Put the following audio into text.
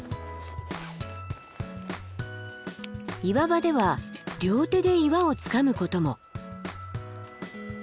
岩場では両手で岩をつかむことも。